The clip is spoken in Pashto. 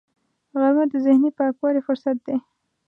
غرمه د ذهني پاکوالي فرصت دی